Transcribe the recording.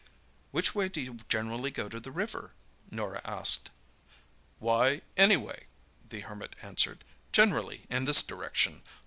"Which way do you generally go to the river?" Norah asked. "Why, anyway," the Hermit answered. "Generally in this direction.